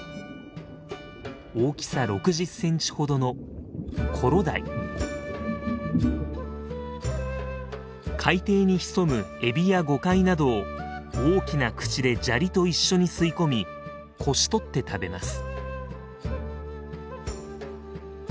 大きさ６０センチほどの海底に潜むエビやゴカイなどを大きな口で砂利と一緒に吸い込みこし取って食べます。